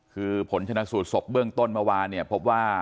คือผลชนะสูตรศพเบื้องต้นเมื่อวานเนี่ยพบว่า